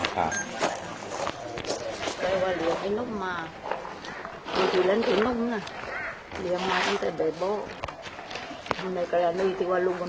ถ้ามีจิตแล้วก็รุ่งทำให้มีเลยครับก็จะมีแนวกว่านี้ไปใช่ไหมครับ